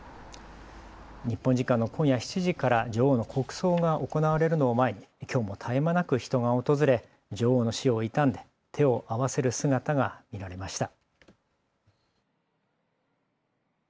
日本時間の今夜７時から女王の国葬が行われるのを前にきょうも絶え間なく人が訪れ女王の死を悼んで手を合わせる姿が見られました。